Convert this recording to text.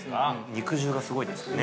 ◆肉汁がすごいですね。